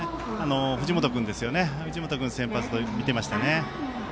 藤本君が先発だとみていましたね。